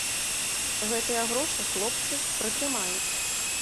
Гэтыя грошы хлопцы прытрымаюць.